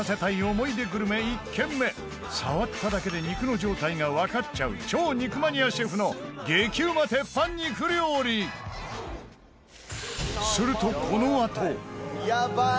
思い出グルメ、１軒目触っただけで肉の状態が分かっちゃう超肉マニアシェフの激うま鉄板肉料理すると、このあと北山：やばーい！